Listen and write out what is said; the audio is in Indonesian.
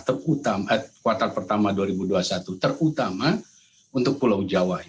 terutama di kuartal pertama sekolah